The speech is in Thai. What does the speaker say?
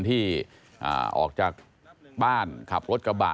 ที่ออกจากบ้านขับรถกระบะ